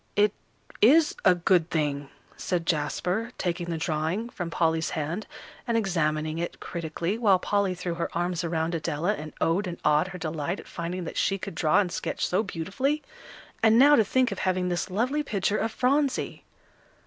"It is a good thing," said Jasper, taking the drawing from Polly's hand and examining it critically, while Polly threw her arms around Adela, and oh ed and ah ed her delight at finding that she could draw and sketch so beautifully; and now to think of having this lovely picture of Phronsie!